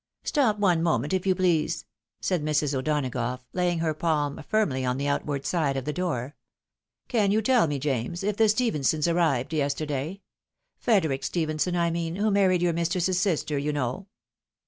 " Stop one moment, if you please," said Mrs. O'Donagough, laying her palm firmly on the outward side of the door. " Can you teU me, James, if the Stephensons arrived yesterday? Frederic Stephenson, I mean, who married your mistress's sister, you know."